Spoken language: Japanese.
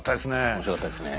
面白かったですね。